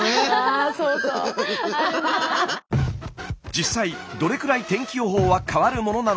実際どれくらい天気予報は変わるものなのか。